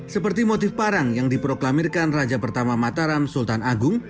seperti motif parang yang diproklamirkan raja pertama mataram sultan agung